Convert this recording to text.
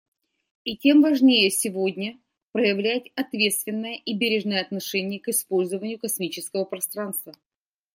И тем важнее сегодня проявлять ответственное и бережное отношение к использованию космического пространства.